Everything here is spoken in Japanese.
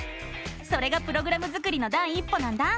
それがプログラム作りの第一歩なんだ！